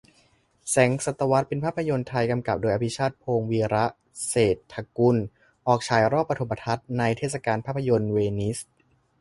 แสงศตวรรษเป็นภาพยนตร์ไทย กำกับโดย อภิชาติพงศ์ วีระเศรษฐกุล ออกฉายรอบปฐมทัศน์ในเทศกาลภาพยนตร์เวนิส